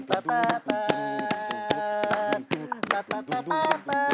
เต็มสี่